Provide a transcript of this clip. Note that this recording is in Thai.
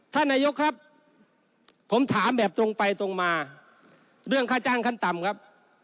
ท่านนายกครับผมถามแบบตรงไปตรงมาเรื่องค่าจ้างขั้นต่ำครับ